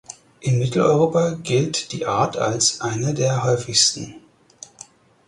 In Mitteleuropa gilt die Art als eine der häufigsten.